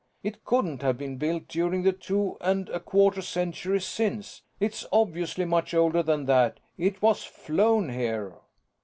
It couldn't have been built during the two and a quarter centuries since; it's obviously much older than that. It was flown here."